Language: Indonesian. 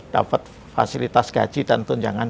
dapat fasilitas gaji dan tunjangan